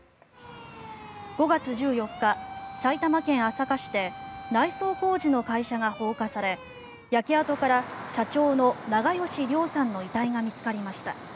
５月１４日、埼玉県朝霞市で内装工事の会社が放火され焼け跡から社長の長葭良さんの遺体が見つかりました。